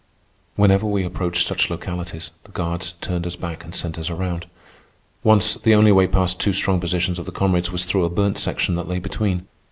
Whenever we approached such localities, the guards turned us back and sent us around. Once, the only way past two strong positions of the comrades was through a burnt section that lay between.